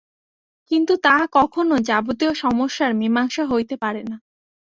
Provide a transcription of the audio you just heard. কিন্তু তাহা কখনও যাবতীয় সমস্যার মীমাংসা হইতে পারে না।